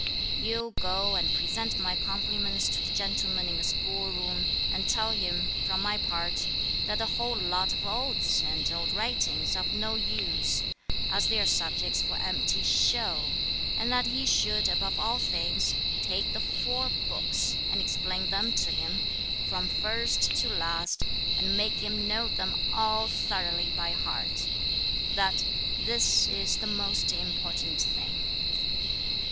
You go and present my compliments to the gentleman in the schoolroom, and tell him, from my part, that the whole lot of Odes and old writings are of no use, as they are subjects for empty show; and that he should, above all things, take the Four Books, and explain them to him, from first to last, and make him know them all thoroughly by heart, that this is the most important thing!"